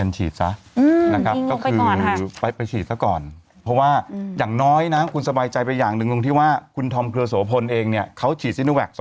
แล้วเขาบินมูลไวร์มีรมีกัด